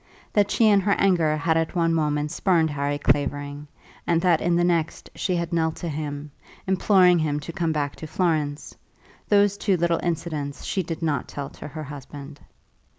That she, in her anger, had at one moment spurned Harry Clavering, and that in the next she had knelt to him, imploring him to come back to Florence, those two little incidents she did not tell to her husband.